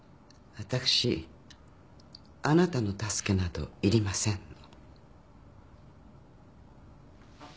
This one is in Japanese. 私あなたの助けなど要りません。